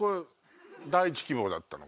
第１希望だったの？